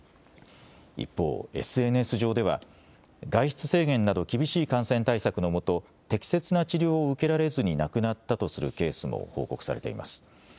一方、ＳＮＳ上では外出制限など厳しい感染対策のもと、適切な治療を受けられずに亡くなったとするケースも報告されています。